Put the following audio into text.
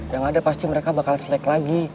yang ada pasti mereka bakal snack lagi